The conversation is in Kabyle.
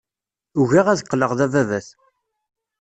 Ugaɣ ad qqleɣ d ababat.